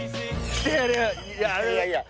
いやいや。